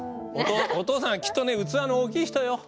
お父さんはきっとね器の大きい人よ。